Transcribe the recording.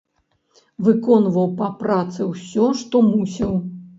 Выконваў па працы ўсё, што мусіў.